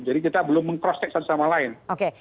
jadi kita belum meng cross check satu sama lain